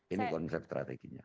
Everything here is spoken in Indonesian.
ini konsep strateginya